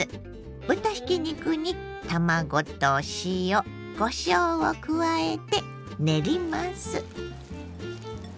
豚ひき肉に卵と塩こしょうを加えて練ります。